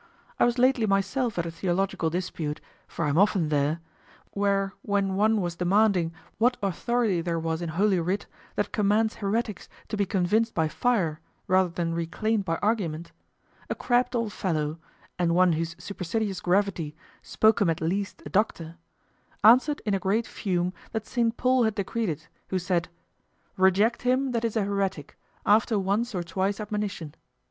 I was lately myself at a theological dispute, for I am often there, where when one was demanding what authority there was in Holy Writ that commands heretics to be convinced by fire rather than reclaimed by argument; a crabbed old fellow, and one whose supercilious gravity spoke him at least a doctor, answered in a great fume that Saint Paul had decreed it, who said, "Reject him that is a heretic, after once or twice admonition."